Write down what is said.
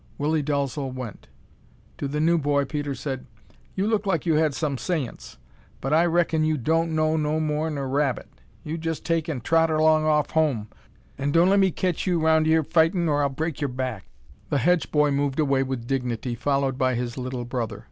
Willie Dalzel went. To the new boy Peter said: "You look like you had some saince, but I raikon you don't know no more'n er rabbit. You jest take an' trot erlong off home, an' don' lemme caitch you round yere er fightin' or I'll break yer back." The Hedge boy moved away with dignity, followed by his little brother.